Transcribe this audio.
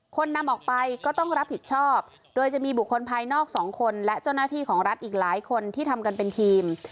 คนนำออกไปก็ต้องรับผิดชอบโดยจะมีบุคคลภายนอกสองคนและเจ้าหน้าที่ของรัฐอีกหลายคนที่ทำกันเป็นทีม